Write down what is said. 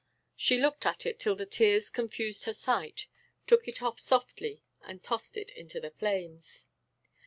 She looked at it till the tears confused her sight, took it off softly and tossed it into the flames.